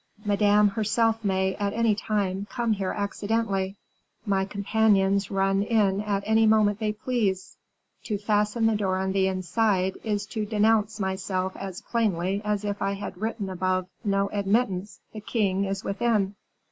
Madame herself may, at any time, come here accidentally; my companions run in at any moment they please. To fasten the door on the inside, is to denounce myself as plainly as if I had written above, 'No admittance, the king is within!